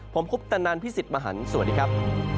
ผมคุปตะนันพี่สิทธิ์มหันฯสวัสดีครับ